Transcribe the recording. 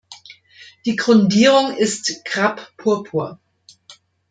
Die Grundierung ist Krapp-Purpur.